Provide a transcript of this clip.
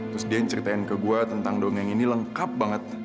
terus dian ceritain ke gue tentang dongeng ini lengkap banget